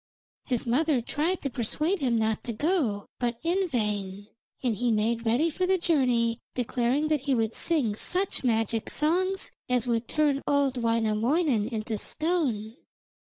His mother tried to persuade him not to go, but in vain, and he made ready for the journey, declaring that he would sing such magic songs as would turn old Wainamoinen into stone.